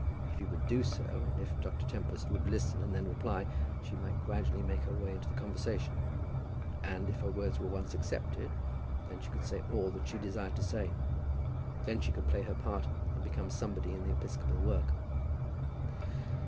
If he would do so, and if Dr. Tempest would listen and then reply, she might gradually make her way into the conversation; and if her words were once accepted then she could say all that she desired to say; then she could play her part and become somebody in the episcopal work.